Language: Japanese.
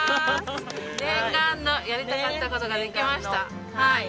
念願のやりたかった事ができました。